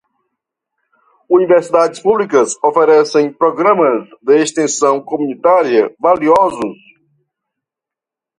Universidades públicas oferecem programas de extensão comunitária valiosos.